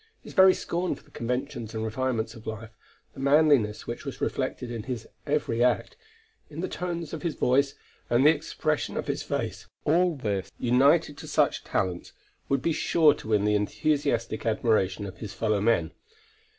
His very scorn for the conventions and refinements of life, the manliness which was reflected in his every act, in the tones of his voice and the expression of his face, all this, united to such talents, would be sure to win the enthusiastic admiration of his fellow men.